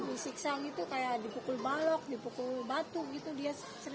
disiksa gitu kayak dipukul balok dipukul batu gitu dia cerita